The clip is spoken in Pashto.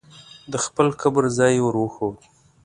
د خپل قبر ځای یې ور وښود.